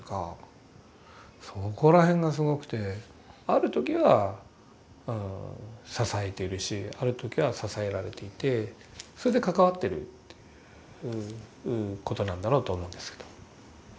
ある時は支えているしある時は支えられていてそれで関わってるってことなんだろうと思うんですけど。